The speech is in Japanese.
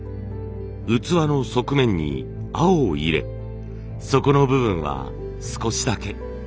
器の側面に青を入れ底の部分は少しだけ。